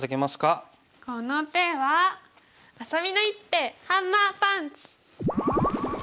この手はあさみの一手ハンマーパンチ！